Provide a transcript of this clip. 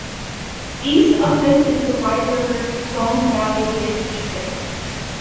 East of this is the wide River Frome Valley drainage area.